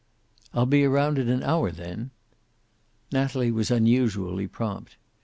"I'll be around in an hour, then." Natalie was unusually prompt.